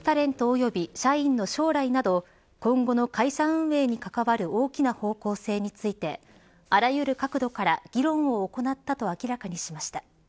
及び社員の将来など今後の会社運営に関わる大きな方向性についてあらゆる角度から議論を行ったと明らかにしました。